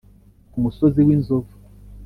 Ku musozi w' inzovu